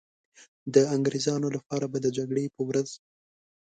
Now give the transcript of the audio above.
د انګریزانو لپاره به د جګړې په ورځ.